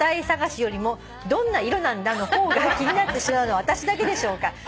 探しよりもどんな色なんだの方が気になってしまうのは私だけでしょうか？